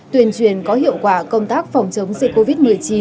tuyên truyền có hiệu quả công tác phòng chống dịch covid một mươi chín